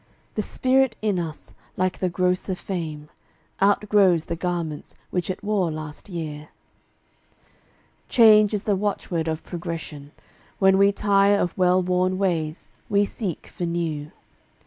The spirit in us, like the grosser frame, Outgrows the garments which it wore last year. Change is the watchword of Progression. When We tire of well worn ways we seek for new.